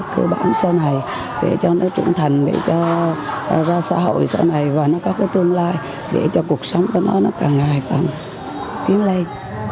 cơ bản sau này để cho nó trung thành để cho nó ra xã hội sau này và nó có cái tương lai để cho cuộc sống của nó càng ngày càng thiếu lây